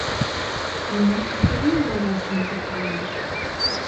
Нам і самім, дарослым, цікава.